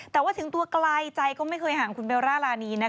แต่ว่าถึงตัวไกลใจก็ไม่เคยห่างคุณเบลล่ารานีนะคะ